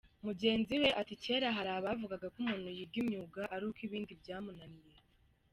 Mugenzi we ati “Kera hari abavugaga ko umuntu yiga imyuga ari uko ibindi byamunaniye.